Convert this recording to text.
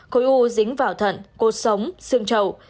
khối u dính vào thận cột sống xương trầu